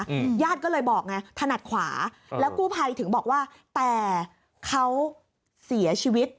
ญาติก็เลยบอกไงถนัดขวาแล้วกู้ภัยถึงบอกว่าแต่เขาเสียชีวิต